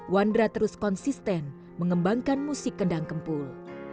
wandra terus konsisten mengembangkan musik kendang kempul